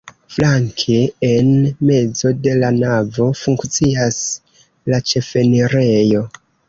Flanke en mezo de la navo funkcias la ĉefenirejo.